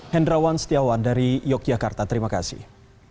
hendrawan setiawan dari yogyakarta terima kasih